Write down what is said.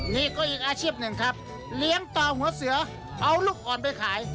นี่ก็อีกอาชีพหนึ่งครับเลี้ยงต่อหัวเสือเอาลูกอ่อนไปขาย